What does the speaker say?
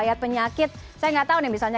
ayat penyakit saya nggak tahu nih misalnya